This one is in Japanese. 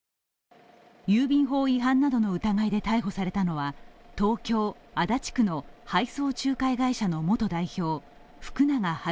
郵便法違反などの疑いで逮捕されたのは東京・足立区の配送仲介会社の元代表、福永悠宏